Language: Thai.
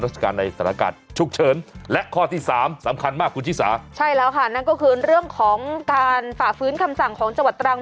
ใช่แล้วค่ะนั้นก็คือเรื่องของการฝากฟื้นคำสั่งของจังหวัดตรัง